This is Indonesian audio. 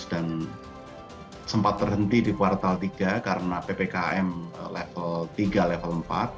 dan sempat terhenti di kuartal tiga karena ppkm level tiga level empat